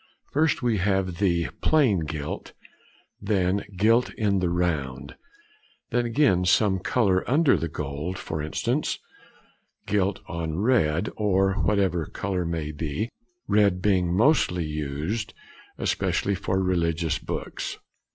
First we have the "plain gilt," then "gilt in the round"; then again some colour under the gold, for instance, "gilt on red," or whatever the colour may be, red being mostly used, especially for religious books.